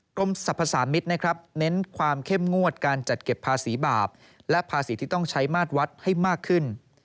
กรมสรรพสามิตรนะครับเน้นความเข้มงวดการจัดเก็บภาษีบาปและภาษีที่ต้องใช้มาตรวัดให้มากขึ้น